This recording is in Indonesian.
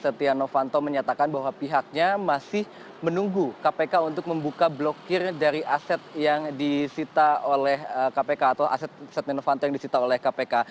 setia novanto menyatakan bahwa pihaknya masih menunggu kpk untuk membuka blokir dari aset yang disita oleh kpk atau aset setia novanto yang disita oleh kpk